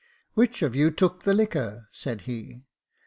"' Which of you took the liquor ?' said he.